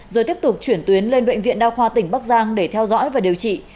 rồi tiếp tục chuyển tuyến lên bệnh viện đa khoa tỉnh bắc giang để theo dõi và điều trị